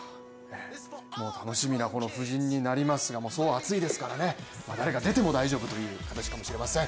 楽しみな布陣になりますが層は厚いですからね、誰が出ても大丈夫という形かもしれません。